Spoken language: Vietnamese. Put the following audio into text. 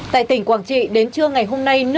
tại tỉnh quảng trị đến trưa ngày hôm nay